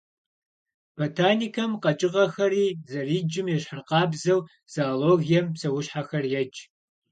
Ботаникэм къэкӏыгъэхэр зэриджым ещхьыркъабзэу, зоологием псэущхьэхэр едж.